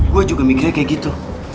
gue juga mikirnya kayak gitu